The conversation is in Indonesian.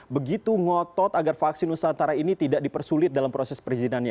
begitu mengotot agar vaksin usaha antara ini tidak dipersulit dalam proses perizinan